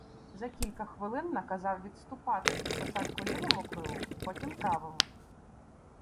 За кілька хвилин наказав відступати, спочатку лівому крилу, потім — правому.